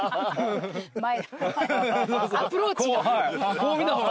こう見た方が。